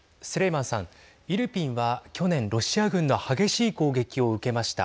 イルピンは去年ロシア軍の激しい攻撃を受けました。